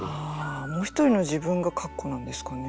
もう一人の自分が括弧なんですかね。